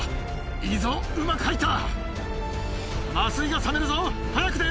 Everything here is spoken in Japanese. いいぞうまく入った！